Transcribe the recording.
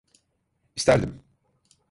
İsterdim.